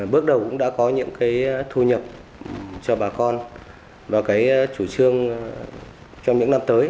bước đầu cũng đã có những cái thu nhập cho bà con và cái chủ trương trong những năm tới